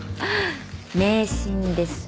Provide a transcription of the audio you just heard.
迷信です。